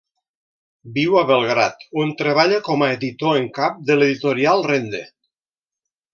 Viu a Belgrad, on treballa com a editor en cap de l'editorial Rende.